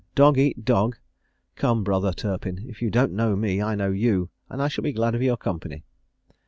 dog eat dog? Come, come, brother Turpin, if you don't know me, I know you, and shall be glad of your company."